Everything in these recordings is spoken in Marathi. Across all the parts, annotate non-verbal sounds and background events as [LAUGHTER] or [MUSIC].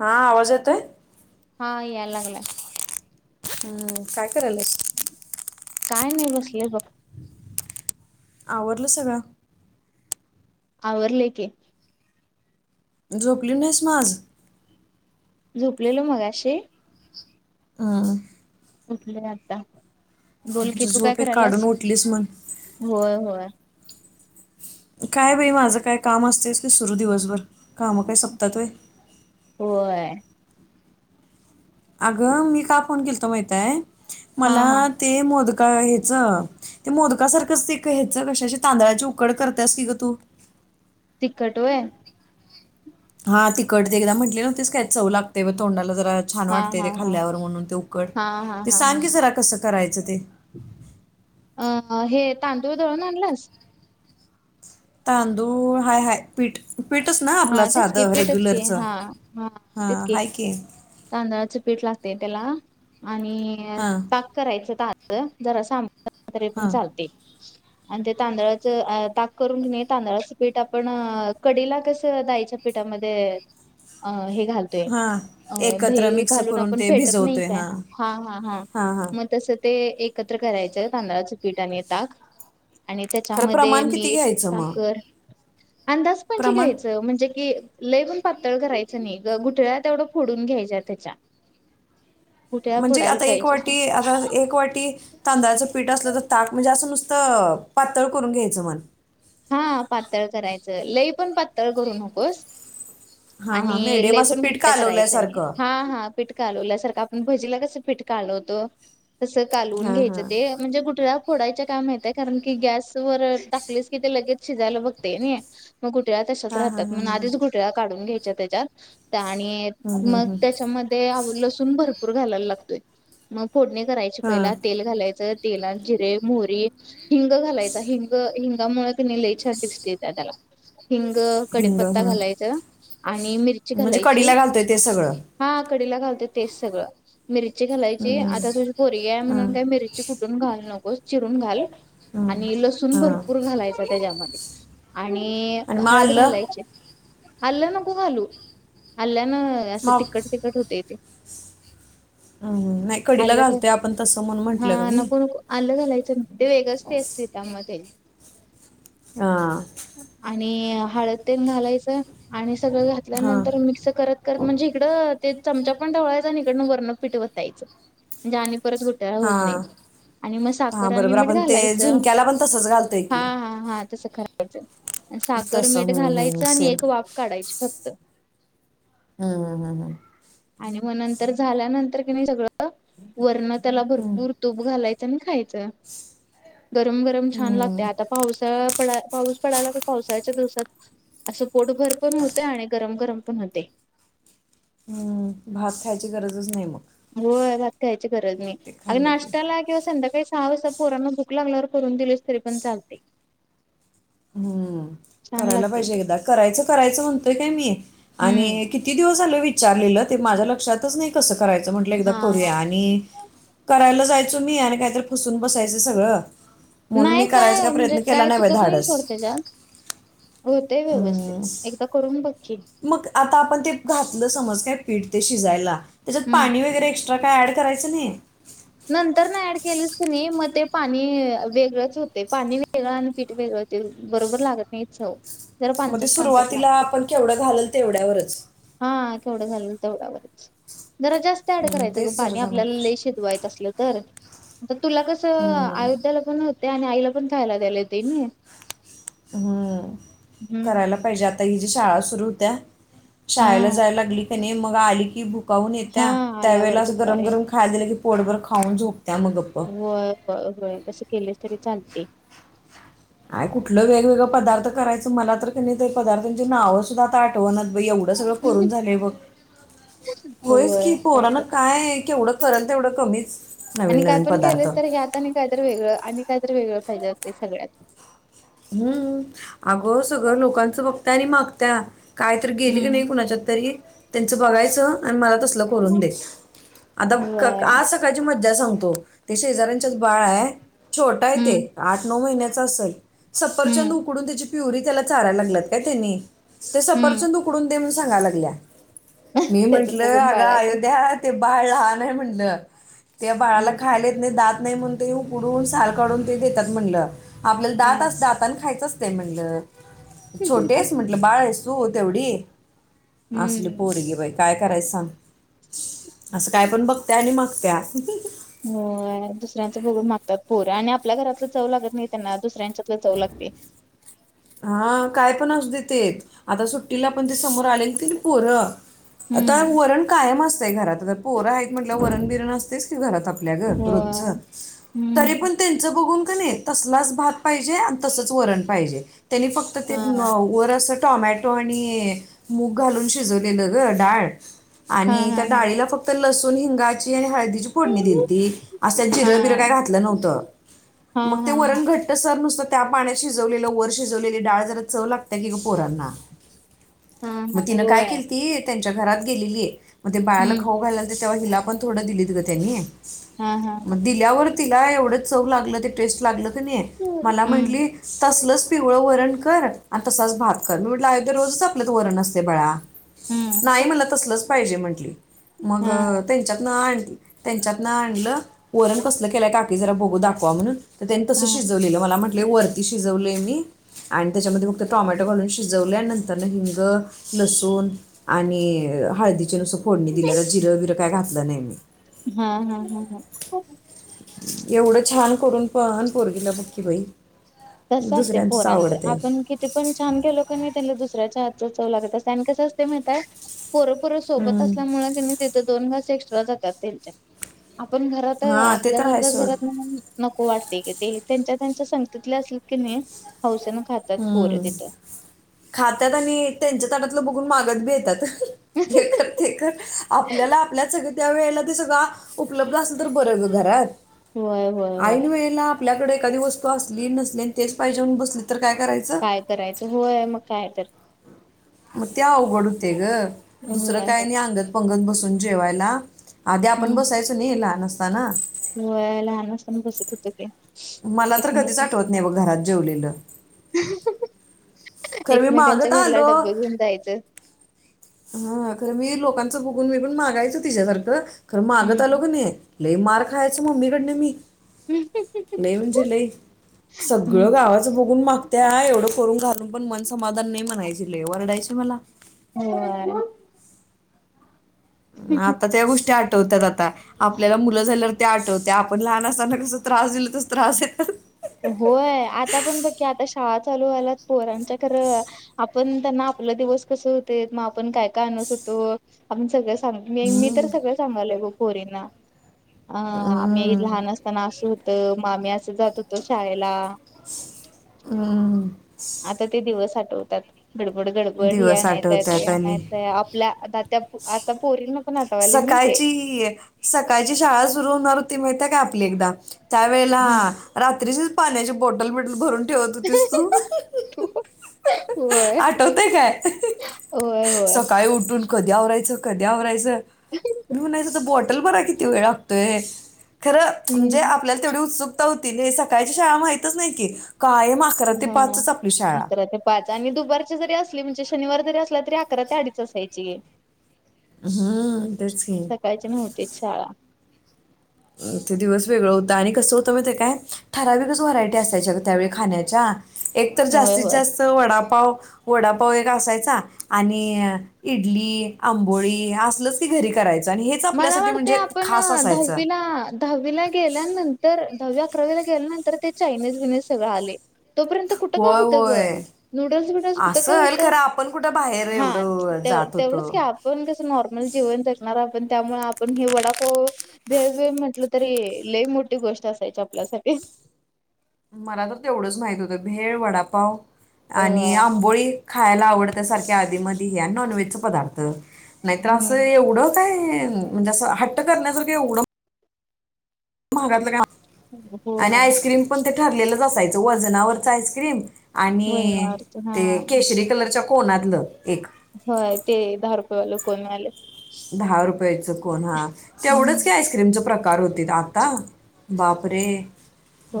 हा आवाज येतोय. याय लागलाय हम्म का. काय नाही बसलोय बग. आवरल सगळं. आवरलेकी. झोपली नाहीस माग आज. झोपलेलो मगाशीे. हा. उठले आता. बोलकी म्हणजे तू काय झोप एक काढून कराल्यास उठलीस म्हण होय होय. काय बाई माझं काय काम आसतयच की सुरू दिवसभर कामं काय सपत्यात व्हय. होय. अगं मी का फोन केलतो माहितीहाय? हा मला हा ते मोदक. का हेच ते मोदका सारखंच एक हेच कशाची तांदळाची उकड करत्यास की ग तू. तीखट व्हय. हा तिकट ते एकदा म्हटली न्हवतीस काय चव लागतय ब तोंडाला ज. छान हा वाटतय हा ते हा खाल्ल्यावर म्हणून ते उकड हा हा ते हा हा सांग की जरा कसं करायचं ते? अ हे तांदूळ दळून आणलास. तांदूळ हाय हाय पीठ. पीठच ना आपलं हा तेच की साधं पीठच की रेग्युलरचं हा हा तेच हां की हाय तांदळाचं पीठ लाग. तय तेला. आणि हां ताक करायचं ताज. जरास आंब. तरी पण हां चालतय. आणि ते तांदळाचं ताक करून की कणी तांदळाचं पीठ आपण कडीला कस. स डाळीच्या पिठामध्ये अ हे. घालतोय हां अ एकत्र दही मिक्स घालून करून आपण ते फेटत नाही भिजवतोय काय हां हा हा हा हां हां मग तस. ते एकत्र करायचं तांदळाच पीट आणि ताक. आणि खरं त्याच्यामध्ये प्रमाण किती मीठ घ्यायचं मग साखर अंदाजपनचे प्रमाण घ्यायच. जे कि लई पातळ करायचं नाही. ग गुठळ्या तेवढं फोडून घ्यायच्या तेच्या. म्हणजे आता एक वाटी आता एक वाटी तांदळाचं पीठ आसलं तर ताक म्हणजे आसं नुसत तळ पातळ करून घ्यायचं म्हण हा पातळ करायचं लई पण पातळ करू नकोस हां हां आणि मिडियम लई असं पण पीठ घट्ट करायच नाही कालवल्यासारखं हा हा पिट कालवल्यासारख भाजीला कसं पीट कालवतो तसं कालवून हां घ्यायचं हां ते म्हणजे गुठळ्या फोडायच्या का माहित्येय कारण की गॅस वर टाकलीस कि ते लगेच शिजायला बघतय नी मग गुठळ्या तशाच हां राहत्यात हां म्हणून आधीच गुटळ्या काढून घ्या हेच्या तेच्याात त्या आणि हां मग हां तेच्या मध्ये आव लसु लसूण भरपूर घालायला लागतोय. मग फोडणी करायची. हां पहिला तेल घालायचं तेलात जिरे, मोहरी, हिंग घालायचा हिंग हिंग त्यामुळं कनी लय छान टेस्ट येतिया त्याला हिंग, हिंग कडीपत्ता हं. घालायचा. आणि मिरची म्हणजे घालायची. कढीला घालतोय ते सगळं हा कढीला घालतोय तेच सगळं मिरची घालायची हम्म. आता तुझी पोरगी आहे म्हणून हम्म. काय मिरची कुठ घालू नकोस चिरून घाल. हम्म. आणि लसून भरप हम्म. घालायच त्याच्यामध्ये आणि मग हळद आलं घालायची आलं नको घालू आल्या ना असं मग तिकख तिकट होतय ते. हम्म नाही कढीला आलं का घालतोय आपण तसं म्हणून म्हंटलं ग मी जायच मग ते वेगळच टेस्ट आहे त्यामध्ये. हा आणि हळद तेन घालायचं आणि सगळं हां घातल्यानंतर मिक्स करत करत म्हणजे इकडं ते चमचा पण ढवळायचा हिकडन वरणात पीठ वतायचं म्हणजे आणि परत घोटाळा होत नाही हां आणि मग साखर हां आणि बरोबर मिठ आपण ते घालायचं. झुणक्याला पण तसंच घालतोय हा की हा हा तस. करायच? साखर, मीठ तसं हं, हं, घालायचं आणि सेम एक वाफ काढायची फक्त. हम्म हम्म. आणि म नंतर झाल्यानंतर की नाई सगळं वर्ण त्याला हं, भरपूर तूप घालाय तुम्ही खायचं. गरम गरम छान लाग हं, ते आता पावसाळात तेवापाऊस पडला तर पावसाळच्या दिवसात असं पोटभर पण होतय आणि गरम गरम पण होतय. हम्म भात खायची गरजच नाही मग. होय [UNINTELLIGIBLE] गरज नाही ते आओ खाल्लं की नाष्ट्याला किंवा ला संध्या [UNINTELLIGIBLE] काही सहा वाजता पोरांना भूक लागल्यावर करून दिलेस तरी पण चालतय. हम्म करायला पाहिजे एकदा करायचं करायचं म्हणत. तुही कम येेत [UNINTELLIGIBLE] हम्म. आणि किती दिवस झाले विचारलेलं ते माझ्या ल लक्षातचं नाही कस कराय म्हटल एकदा हा करुया हा. आणि कराय जाय तुम्ही यार काहीतर फुसून बसायचं सगळं. म्हणून मी नाही करायचा काय म्हणजे प्रयत्न केला काय नाही बा चुकत धाडस. सोड त्याच्यात होतय व्यवस्थित हम्म एकदा करून बघ की मग आता आपण ते घातलं समज काय पीठ. ते शिजायला. त्याच्यात हम्म पाणी वगैरे काय ॲड करायचं नाही. नंतर ना ऍड केलीस की नाई म ते पाणी अ वेगळंच होते पाणी वेगळं आणि पीठ वेगळं [UNINTELLIGIBLE] होते, बरोबर लागत नाही चव जरा पांचट म्हणजे पांचट सुरुवातीला लागते आपण केवढं घालल तेवढ्यावरच हा केवढं झाालं तेवढ्यावरच. जरा जास्त ऍड हम्म, करायचं ग तेच जरा पाणी जमा आपल्याला लई शिजवाय तसलं तर तुला कसं हम्म. अयोध्याला पण होत. ते आणि आईला पण खायला [UNINTELLIGIBLE] त्याले ते हम्म करायला पाहिज्यात आता हि ज्या शाळा सुरू होत्या. हा शाळेला जाय लागली. त्याने मग आली की ब गाऊन हा येत्या त्या आल्यावर वेळेला असं गरम गरम खाय दिलं की, पोडभर खाऊन झोप व होय तस केले तरी चालते य कुठलं वेगवेगळ पदार्थ करायचं मला तर क नाही पदार्थांची नाव सुद्धा आता आठवण ब एवढं सगळं करोरून झालंय बघ होयच, होय की काय पोरान कायवढं परण तेवढं कमीच आणि नवीन काय नवीन पण पदार्थ केलंस तर हे आता आणि काय तरर वेगळं आणि कायत वेगळं हिले ते सगळ्यात हम्म अगं सगळं लोकांचं बघता आणि मागता कायतरी गेले की हम्म. नाही कुणाच्या तरी त्यांचं बघायचं आणि मला करून आता व्हय. आज सकाळची मज्जा सग ते शेजाऱ्यांच्या बाळ आहे. छोटं आहे हम्म. ते, आठ नऊ महिन्या सासल. सपरचंद हम्म. उकडून त्याची प्युरी त्याला चाराय लागल्यात काय त्यानी ते हम्म. सपरचंद उकडून दे म सांग. सा लागल्या. मी त्याच म्हंटलं बघून अग बाळाचं. अयोध्या ते बाळ लहान आहे म्हणलं. त्या बाळाला हम्म. खायला येत नाही दात नाही म्हण ते उडून साल काढून ते देतात म्हणलं. आपल्याला हा. दात आस आपण खायचं असतय म्हणलं. छोटी आहेस म्हटलं बाळ आहेस. तू तेवढी असली हम्म. पोरगी बाई काय करायचं सांग. असं काय पण बघतेय आणि मग त्या. हो दुसऱ्यांचं बगून मागतात पोर आणि आपल्या घरातलं चव लागत नाही त्यांना दुसऱ्यांच्यातलं चव लागते. हा काय पण असु दे ते, आता सुट्टीला पण ते समोर आलेलीत कणी पोरं. आता हम्म. वरण कायम असतंय घरात पोरं आहेत म्हटल्या वरण बिरण असतयचं की घरात आप ल्या होय. रोजचं तरी हम्म. पण त्यांच बघून कनी तसलाच भात पाहिजे, आणि तसच वरण पाहिजे. त्यांनी फक्त ते हा. वर असं टॉमॅट टोल आणि मूग घालून शिजवलेलं ग डाळ हा आणि हा त्या हा. डाळीला फक्त लसुन हिंगाची आणि हळ दीची फोडणी हा. दिलती. असं जिरबीर काय घातलं नव्हतं. हा मग ते हा हा. वरण घट्ट सर नुस त्या पाण्यात शिजवलेलं वर्ष शिजवलेली डाळ जरा चव लागत्या की ग पोरांना. हा हा. मग तिनं काय व्हय. केलीती त्यांच्या घरात गेलेली. मग ते बाळाला हम्म. खाऊ घालतीत. तेव्हा हिला पण थोडं, दिलीत ग तेंनी. हा हा हा. मग दिल्यावर तिला एवढंच. चव लागलं ते टेस्ट लागलं. कणीं मला हम्म. म्हटली तसलचं. पिवळं वरण कर आणि, तसाच भात कर, मी म्हटलं अयोध्या रोजच आपल्यात वरण असतेय बाळा. नाही हम्म. मला तसलचं पाहिजे. म्हटली. मग हा. त्यांच्यातनं आणी त्यांच्यातनं आणलं, वरण कसलं केलाय काकी जरा बघू दाखवा म्हणून. त्यांनी तसं हा. शिजवलेलं मला म्हट लय वरती शिजवलयं मी. आणि त्याच्यामध्ये फक्त टॉमॅटो घालून शिजवलंय नंतर हिंग लसूण आणि हळदी जरास फोडणी दिल्या जिरं बीर टा काय घातलं नाय मी. हा हा हम हम. एवढं छान करून पण पोरगीला बकी बाई. तसच असतेयं दुसऱ्यांचंच पोरांच आवडते आपण, किती पण छान केलो कणीं त्यांना दुस दुसऱ्याच्या हात चव लागत असतयं, आणि कसं असतयं माहिती आहे. पोरं पोरं सोबत असल्यामुळे कणीं तिथ दोन घास एक्स्ट्रा जात्यात त्यांच्या. आपण घरात हां ते तर आपल्याच आहे आपल्याच सोड घरात म्हणून, नको वाटते की ते. त्यांच्या त्यांच्या संगतीत. ल्या असल की, नाही हौसेना. हम्म खातत आणि त्यांच्या तटातलं ब मागात बी येतात. हे कर ते कर आपल्याला आपल्या सग त्या वेळेला ते सगळं अ उपलब्ध असल तर बरं घरात. व्यय व्यय ऐन होय. वेळेला आपल्याकडे एखादी वस्तू असली नसली, आणि तेच पाहिजेण बसली.. तर काय करायचं काय करायचं होय, मग काय तर. मत ते अवघड होतय ग. दुसरं होय काय हो नाही अंगत बगत बसून जेवायला. अधी आपण हम्म बसायचो नाही लहान असं ता ना होय लहान असना बसत होत के. मला तर कधीच आठवत नाही बघ घरात. जेवलेल. ह. खर मी मागत आलो जायचं हा खर मी लोक. लोकांचं बघून बिघुन मागायच तिच्यासारख. मागत आलो हम्म. काणी. लय मार खायचं मम्मी कडन मी लई म्हणजे लई हम्म. सगळं गावाचं बघून मागत्या एवढं करून घात पण मन समाधान नाही म्हणायची ले वरडायची मला. हो आहे. आता त्या गोष्टी आठवतात आता आपल्याला मुलं झाल्यावर त्या आठवत. ते आपण लहान असताना कस त्रास दिल तस त्रास देणार. होय आता पण बघकी आता शाळा चालू व्हायल्यात पोरांच्या तर आपण त्यांना आपला दिवस कस होते मग आपण काय. आणत होतो. आमचं सगळ्याच. मी मी तर हम्म. सगळं सांभाळलं बघ. पोरींना. अ आम्ही हम्म. लहान असताना आस हो अ मामी असं जातो. तो शाळेला अ आता ते दिवस अ ठवतात गडबड गडबड हे दिवस आणायचंय ते आठवतात आणि आणायचंय आपल्या आता त्या त्यात आता पोरीनो सकाळची सकाळची शाळा सुरू होणार होत ते मिळत का आपली एकदा त्या वेेळेला हम्म रात्रीची पाण्याची बॉटल बिटल भरून ठेवत होतीस तू [INAUDIBLE] होय आठवतय काय होय होय सकाळी उठून कधी आवरायचं कधी आवरायचं मी म्हणायचं अता बॉ टल भराय किती वेळ लागतोय खरं म्हणजे हम्म आपल्याला तेवढी उत्सुकता हो तिथे सकाळची शाळा माहितच नाही की. कायम अकरा ते हा पाचच आपली शाळा अकरा ते पाच आणि दुपारची जरी असली म्हणजे शनिवार असला तरी अकरा ते अडीच असायची. म्ह तेच की सकाळची नव्हतीच शाळा ते दिवस वेगळं होत आणि कसं होतं मग काय ठराविकच व्हरायटी असायच्या त्यावेळी खाण्याच्या एक तर होय जास्तीत होय जास्त वडा पाव वडापाव एक असायचा आणि इडली आंबोळी असलच की घरी करायच. आणि हेच मला आपल्यासाठी वाटते म्हणजे आपण खास असायचं. दहावीला दहावीला गेल्यानंतर दहावी अकरावीला गेल्यानंतर ते चायनीज बिनिज सगळं आलय. तोपर्यंत कुठं काय होय होतं ग होय नूडल्स वुडल्स कुठं काय असेल होतं खरं आपण कुठं बाहेर हा एवढं तेवढ जात तेवढच होतो की आपण कसं नॉर्मल जीवन जगणार त्यामुळे आपण हे वडापाव भेळ भेळ म्हटल तरी लई मोठी गोष्ट असायची आपल्यासाठी मला तर तेवढंच माहित होतं भेळ वडापाव आणि होय आंबोळी. खायला आवडत सारख्या आधीमध्ये हे नॉनव्हेज च पदार्थ नाहीत असं हम्म एवढं काय म्हणजे असं हट्ट करण्या जर काही एव्हड महागातलं काय आणि होय आईस्क्रीम पण ते ठरलेलंच असायच. त वजनावरच आईस्क्रीम आणि वरणावरच हा ते केशरी कलरच्या कोनातलं एक होय ते दहा रुपय वाल कोण दहा रुपयाच कोण हा हम्म तेवढंच का आईस्क्रीम करू [UNINTELLIGIBLE] तील आता बापरे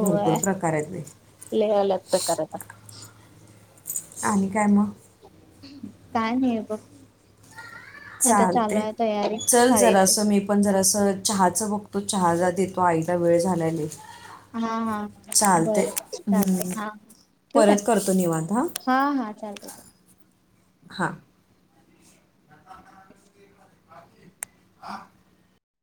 भरपूर प्रकार आहेत बे. अलग अलग प्रकारचा आणि काय मग काय नाही बघ आता चालू चालतय आहे तयारी चल शाळेची जरास मी पण जरासं चहाचं बघत, तो चहा देतो आईला वेळ झालाय लई. हा हा बर बर चालतय हम्म. हा ठिवू काय? परत करतो निवांत हां हा हा चालतय चालतंय. हां